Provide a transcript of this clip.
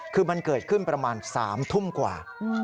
คือมันเกิดขึ้นประมาณ๓ทุ่มกว่า